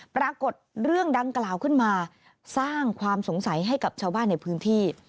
ปรากฏเรื่องดังกล่าวขึ้นมาสร้างความสงสัยให้กับชาวบ้านในพื้นที่